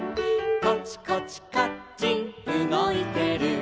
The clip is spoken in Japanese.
「コチコチカッチンうごいてる」